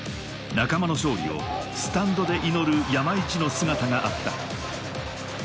仲間の勝利をスタンドで祈る山市の姿があった。